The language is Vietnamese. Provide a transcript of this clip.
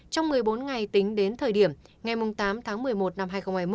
trong một mươi bốn ngày tính đến thời điểm ngày tám tháng một mươi một năm hai nghìn hai mươi một